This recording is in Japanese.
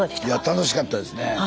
楽しかったですね。